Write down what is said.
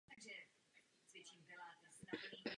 Jako premiér pak musí řešit každodenní problémy vlády.